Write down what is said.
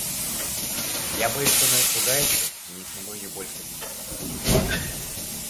Я боюсь, что она испугается и я не смогу её больше видеть.